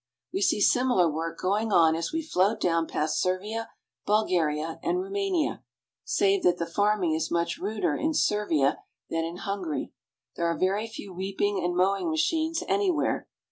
We see similar work going on as we float down past Servia, Bulgaria, and Roumania, save that the farming is much ruder in Servia than in Hungary. There are very few reaping and mowing machines anywhere.